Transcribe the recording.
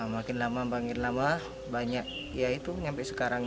makin lama makin lama banyak ya itu sampai sekarang